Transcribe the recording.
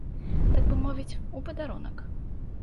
Так бы мовіць, у падарунак.